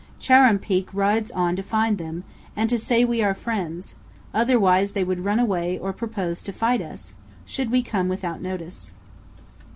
Chuar'ruumpeak rides on to find them, and to say we are friends, otherwise they would run away or propose to fight us, should we come without notice.